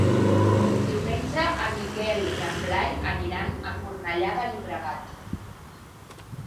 Diumenge en Miquel i en Blai aniran a Cornellà de Llobregat.